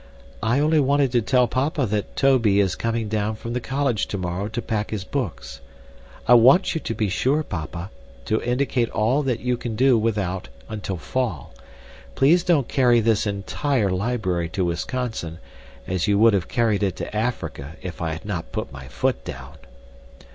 "I only wanted to tell papa that Tobey is coming down from the college tomorrow to pack his books. I want you to be sure, papa, to indicate all that you can do without until fall. Please don't carry this entire library to Wisconsin, as you would have carried it to Africa, if I had not put my foot down."